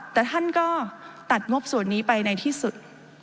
แต่ท่านก็ตัดงบส่วนนี้ไปในที่สุด